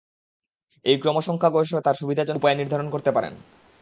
এই ক্রমসংখ্যা গবেষক তার সুবিধাজনক উপায়ে নির্ধারণ করতে পারেন।